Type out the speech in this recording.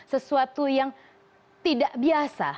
sesuatu yang tidak biasa